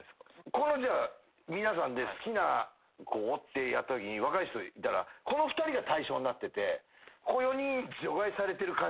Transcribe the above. この皆さんで好きな子をってやったときに若い人いたらこの２人が対象になっててここ４人除外されてる感じ。